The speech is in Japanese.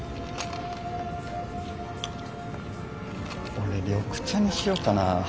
俺緑茶にしようかな。